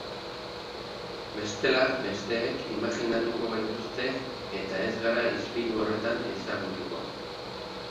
Bestela, besteek imajinatuko gaituzte, eta ez gara ispilu horretan ezagutuko.